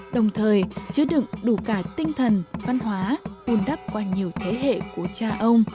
đồng thời chứa đựng đủ cả tinh thần văn hóa vun đắp qua nhiều thế hệ của cha ông